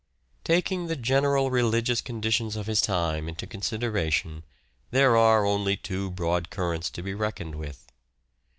Taking the general religious conditions of his time into consideration there are only two broad currents to be reckoned with.